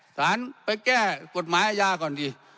สารไปแก้กฎหมายอาญาก่อนดี